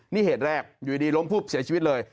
นี่เหตุแรกอยู่ดีล้มปุ๊บเสียชีวิตเลย